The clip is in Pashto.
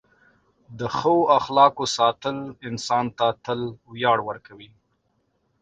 د ښه اخلاقو ساتل انسان ته تل ویاړ ورکوي.